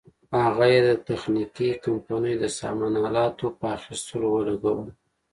هغه یې د تخنیکي کمپنیو د سامان الاتو په اخیستلو ولګول.